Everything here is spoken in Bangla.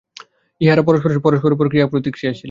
ইহারা পরস্পর পরস্পরের উপর ক্রিয়া-প্রতিক্রিয়াশীল।